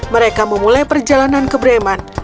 mereka memulai perjalanan ke bremen